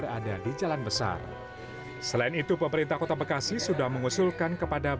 saya sangat bersyukur bahwa kan rebekasia bisa berhasil bahkan